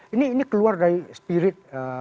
ini keluar dari spirit